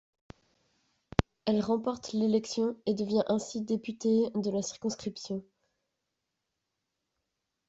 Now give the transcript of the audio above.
Elle remporte l’élection et devient ainsi députée de la circonscription.